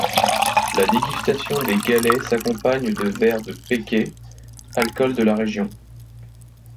La dégustation des galets s'accompagne de verres de pèket, alcool de la région.